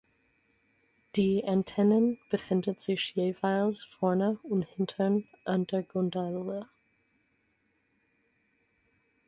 Die Antennen befinden sich jeweils vorne und hinten an der Gondel.